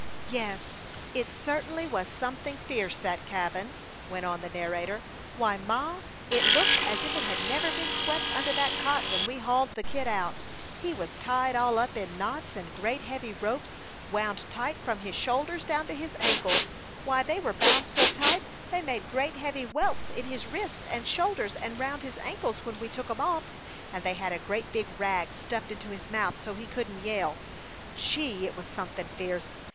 "Yes, it certainly was something fierce, that cabin," went on the narrator. "Why, Ma, it looked as if it had never been swept under that cot when we hauled the Kid out. He was tied all up in knots, and great heavy ropes wound tight from his shoulders down to his ankles. Why, they were bound so tight they made great heavy welts in his wrists and shoulders and round his ankles when we took 'em off; and they had a great big rag stuffed into his mouth so he couldn't yell. Gee! It was something fierce!